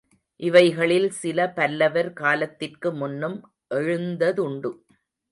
இவைகளில் சில பல்லவர் காலத்திற்கு முன்னும் எழுந்ததுண்டு.